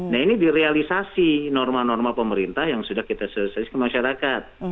nah ini direalisasi norma norma pemerintah yang sudah kita selesaikan masyarakat